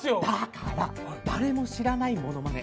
だから誰も知らないものまね。